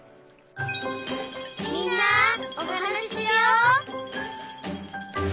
「みんなおはなししよう」